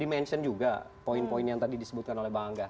di mention juga poin poin yang tadi disebutkan oleh bang angga